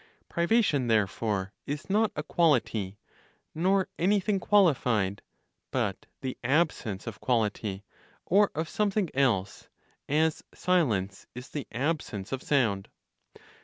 Privation, therefore, is not a quality, nor anything qualified, but the absence of quality or of something else, as silence is the absence of sound.